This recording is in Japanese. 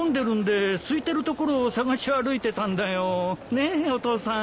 ねえお父さん。